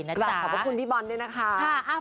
แต่ขอบคุณพี่บอลด้วยนะคะ